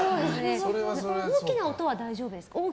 大きな音は大丈夫ですか？